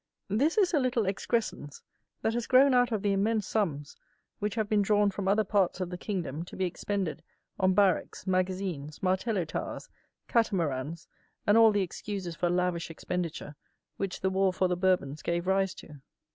This is a little excrescence that has grown out of the immense sums which have been drawn from other parts of the kingdom to be expended on Barracks, Magazines, Martello Towers, Catamarans, and all the excuses for lavish expenditure which the war for the Bourbons gave rise to.